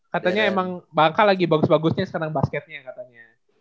katanya emang bangka lagi bagus bagusnya sekarang basketnya katanya